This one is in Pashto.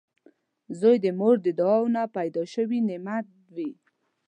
• زوی د مور د دعاوو نه پیدا شوي نعمت وي